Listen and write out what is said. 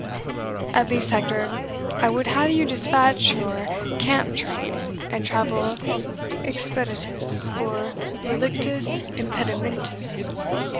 "At least, Hector, I would have you despatch your camp train, and travel expeditus, or relictis impedimentis.